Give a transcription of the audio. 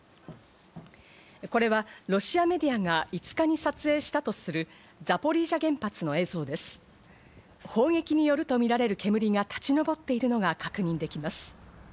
これはロシアメディアが５日に撮影したとする砲撃によるとみられる煙が立ち上っているのが確認できます。